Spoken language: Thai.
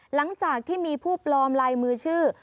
หลังจากที่มีผู้ปลอมลายมือชื่อ